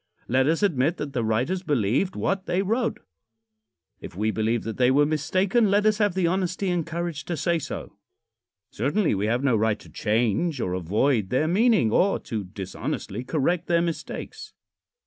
Let us admit that the writers believed what they wrote. If we believe that they were mistaken, let us have the honesty and courage to say so. Certainly we have no right to change or avoid their meaning, or to dishonestly correct their mistakes.